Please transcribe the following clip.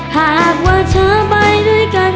หากว่าเธอไปด้วยกัน